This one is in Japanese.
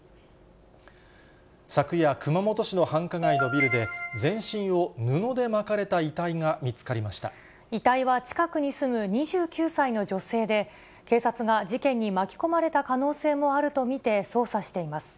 昨夜、熊本市の繁華街のビルで、全身を布で巻かれた遺体が見つかりまし遺体は近くに住む２９歳の女性で、警察が事件に巻き込まれた可能性もあると見て捜査しています。